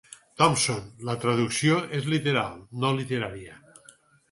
Thomson; la traducció és literal, no literària.